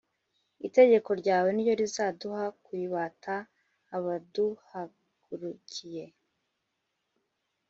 Itegeko ryawe ni ryo rizaduha kuribata abaduhagurukiye